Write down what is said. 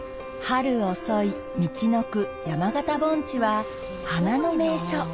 春遅いみちのく山形盆地は花の名所